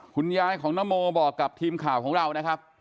คุณยายของนโมบอกกับทีมข่าวของเรานะครับ